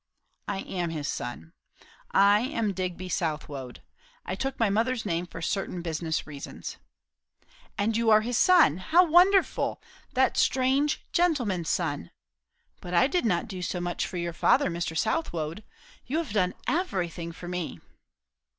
"I am his son. I am Digby Southwode. I took my mother's name for certain business reasons." "And you are his son! How wonderful! That strange gentleman's son! But I did not do so much for your father, Mr. Southwode. You have done everything for me."